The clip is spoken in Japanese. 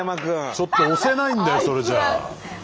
ちょっと押せないんだよそれじゃあ。